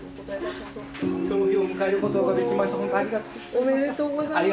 おめでとうございます。